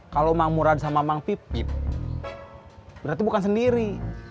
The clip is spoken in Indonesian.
kalau mang murad sama mang pipit berarti bukan sendiri